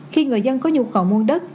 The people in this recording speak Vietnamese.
khi người dân có nhu cầu mua đất